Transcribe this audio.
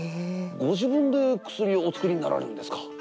ご自分で薬をお作りになられるんですか？